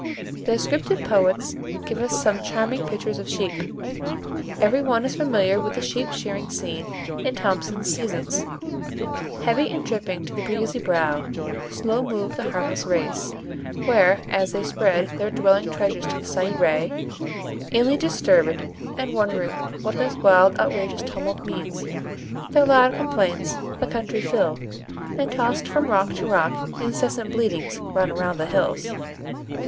The descriptive poets give us some charming pictures of sheep. Every one is familiar with the sheep shearing scene in Thomson's "Seasons:" "Heavy and dripping, to the breezy brow Slow move the harmless race; where, as they spread Their dwelling treasures to the sunny ray, Inly disturb'd, and wond'ring what this wild Outrageous tumult means, their loud complaints The country fill; and, toss'd from rock to rock, Incessant bleatings run around the hills."